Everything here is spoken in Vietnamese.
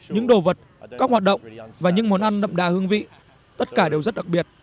những đồ vật các hoạt động và những món ăn đậm đà hương vị tất cả đều rất đặc biệt